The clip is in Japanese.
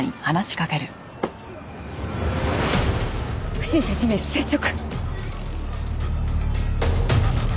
不審者１名接触。